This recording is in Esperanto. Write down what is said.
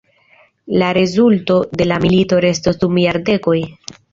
La rezulto de la milito restos dum jardekoj.